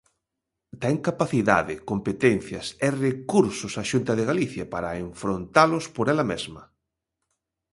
Ten capacidade, competencias e recursos a Xunta de Galicia para enfrontalos por ela mesma.